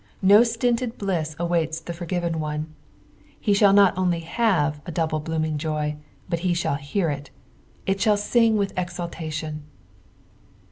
No stints bliss awaits the forgiven one ; ha shall not only Itave a double blooming joj, but he shall hear \t; it sliall sing with exultation.